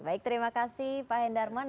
baik terima kasih pak hendarman